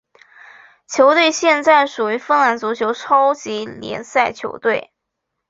球队现在属于芬兰足球超级联赛球队。